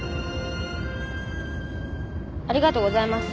ありがとうございます。